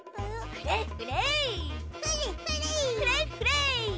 フレッフレッ！